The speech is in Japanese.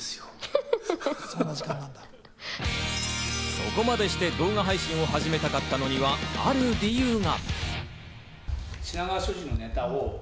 そこまでして動画配信を始めたかったのにはある理由が。